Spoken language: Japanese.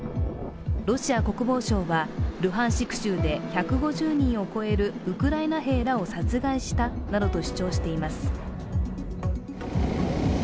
ロシア国防省は、ルハンシク州で１５０人を超えるウクライナ兵らを殺害したなどと主張しています。